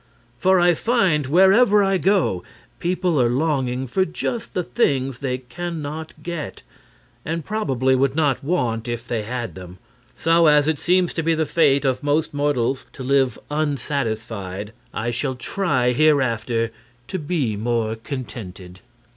For I find wherever I go people are longing for just the things they can not get, and probably would not want if they had them. So, as it seems to be the fate of most mortals to live unsatisfied, I shall try hereafter to be more contented."